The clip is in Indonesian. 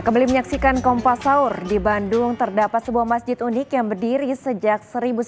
kembali menyaksikan kompas sahur di bandung terdapat sebuah masjid unik yang berdiri sejak seribu sembilan ratus sembilan puluh